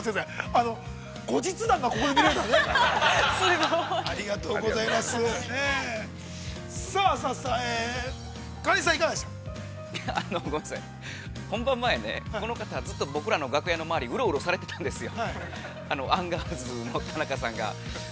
◆あの、ごめんなさい、本番前ね、僕たちの楽屋の周り、うろうろされてたんですよ、アンガールズの田中さんが。